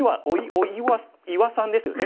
お岩岩さんですよね